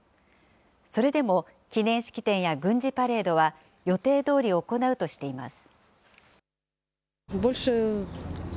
それでも記念式典や軍事パレードは、予定どおり行うとしています。